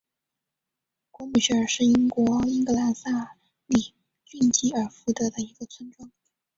果姆雪尔是英国英格兰萨里郡吉尔福德的一个村庄。